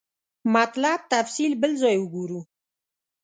مطلب تفصیل بل ځای وګورو.